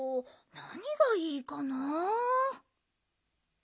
なにがいいかな？